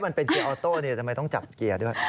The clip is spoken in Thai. มันเป็นเกียร์ออโต้ทำไมต้องจับเกียร์ด้วย